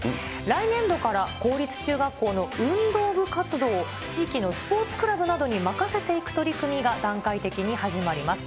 来年度から公立中学校の運動部活動を、地域のスポーツクラブなどに任せていく取り組みが段階的に始まります。